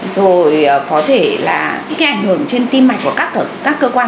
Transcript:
rồi có thể là những cái ảnh hưởng trên tim mạch của các cơ quan